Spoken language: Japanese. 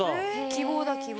希望だ希望。